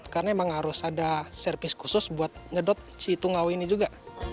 karena emang harus ada servis khusus buat ngedot si tungau ini juga